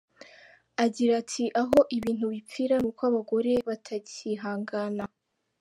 Agira ati “Aho ibintu bipfira ni uko abagore batacyihangana.